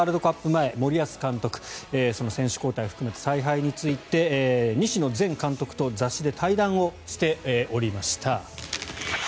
前森保監督、その選手交代を含めて采配について西野前監督と雑誌で対談しておりました。